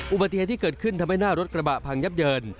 อุบัติเหตุที่เกิดขึ้นทำให้หน้ารถกระบะพังยับเยิน